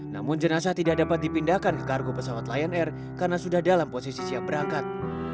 namun jenazah tidak dapat dipindahkan ke kargo pesawat lion air karena sudah dalam posisi siap berangkat